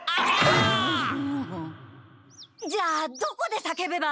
じゃあどこで叫べば？